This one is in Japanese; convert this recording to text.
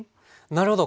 なるほど。